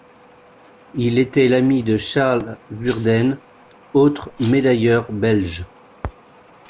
Il était l'ami de Charles Würden, autre médailleur belge.